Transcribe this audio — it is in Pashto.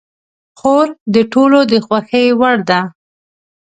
خور د ټولو د خوښې وړ ده.